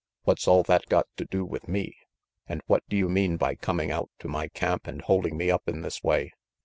"What's all that got to do with me? And what do you mean by coming out to my camp RANGY PETE 79 and holding me up in this way?